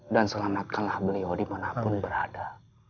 dan selamatkanlah beliau dimanapun berada